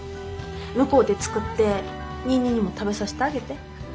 向こうで作ってニーニーにも食べさせてあげて。